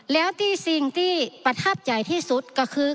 แล้วที่สิ่งที่ประทับใจที่สุดก็คือ